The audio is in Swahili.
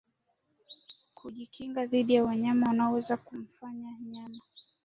kujikinga dhidi ya wanyama wanaoweza kumfanya nyama